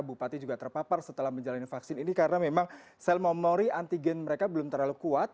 bupati juga terpapar setelah menjalani vaksin ini karena memang sel memori antigen mereka belum terlalu kuat